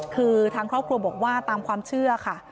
คือทางครอบครัวบอกว่าตามความเชื่อค่ะ